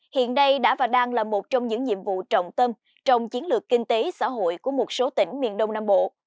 hiện đây đã và đang là một trong những nhiệm vụ trọng tâm trong chiến lược kinh tế xã hội của một số tỉnh miền đông nam bộ